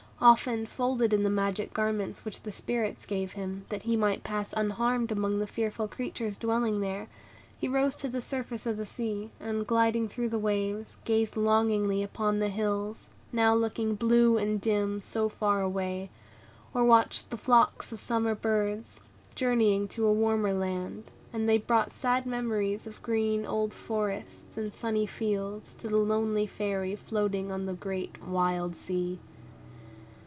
Often, folded in the magic garments which the Spirits gave him, that he might pass unharmed among the fearful creatures dwelling there, he rose to the surface of the sea, and, gliding through the waves, gazed longingly upon the hills, now looking blue and dim so far away, or watched the flocks of summer birds, journeying to a warmer land; and they brought sad memories of green old forests, and sunny fields, to the lonely little Fairy floating on the great, wild sea.